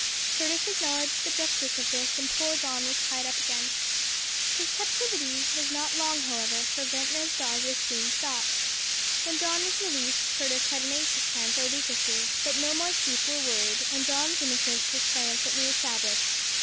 Curtis acknowledged the justice of this and poor Don was tied up again. His captivity was not long, however, for Ventnor's dog was soon shot. When Don was released, Curtis had an anxious time for a week or two. But no more sheep were worried, and Don's innocence was triumphantly established.